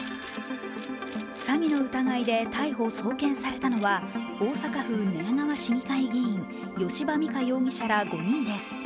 詐欺の疑いで逮捕・送検されたのは大阪府寝屋川市議会議員、吉羽美華容疑者ら５人です。